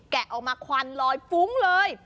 ออกมาควันลอยฟุ้งเลย